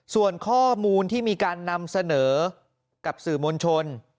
ส่วนข้อมูลที่มีการนำเสนอกับสื่อมวลชน